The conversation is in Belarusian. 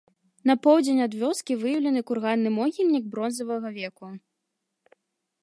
На поўдзень ад вёскі выяўлены курганны могільнік бронзавага веку.